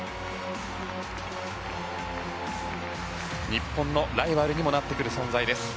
日本のライバルにもなってくる存在です。